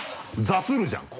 座するじゃん